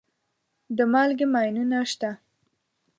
د مالګې ماینونه شته.